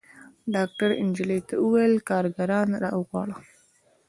ډاکتر نجلۍ ته وويل کارګران راوغواړه.